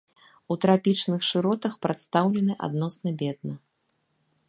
У трапічных шыротах прадстаўлены адносна бедна.